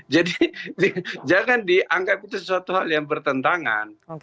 jadi jangan dianggap itu sesuatu hal yang bertentangan